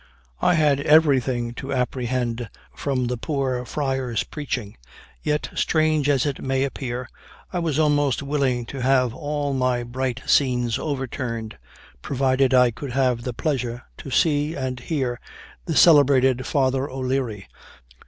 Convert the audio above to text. I had everything to apprehend from the poor friar's preaching; yet, strange as it may appear, I was almost willing to have all my bright scenes overturned, provided I could have the pleasure to see and hear the celebrated Father O'Leary.